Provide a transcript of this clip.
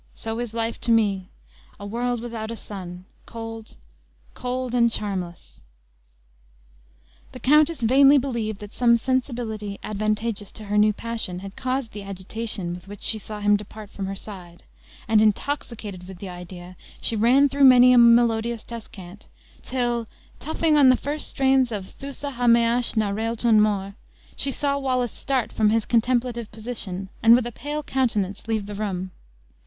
So is life to me, a world without a sun cold, cold, and charmless!" The countess vainly believed that some sensibility advantageous to her new passion had caused the agitation with which she saw him depart from her side; and, intoxicated with the idea, she ran through many a melodious descant, till toughing on the first strains of Thusa ha measg na reultan mor, she saw Wallace start from his contemplative position, and with a pale countenance leave the room.